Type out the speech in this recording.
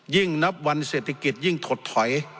ยิ่งนับวันเศรษฐกิจยิ่งถดถอย